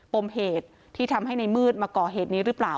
ปมเหตุที่ทำให้ในมืดมาก่อเหตุนี้หรือเปล่า